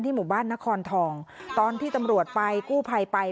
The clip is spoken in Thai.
หมู่บ้านนครทองตอนที่ตำรวจไปกู้ภัยไป